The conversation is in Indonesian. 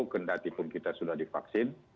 kendati pun kita sudah divaksin